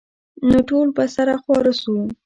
نو ټول به سره خواره سو.